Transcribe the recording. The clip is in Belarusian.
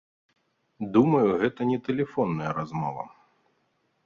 Думаю, гэта не тэлефонная размова.